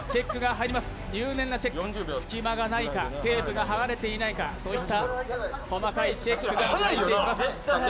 入念なチェック、隙間がないか、テープが剥がれてないかそういった細かいチェックが入ってきます。